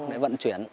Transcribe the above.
để vận chuyển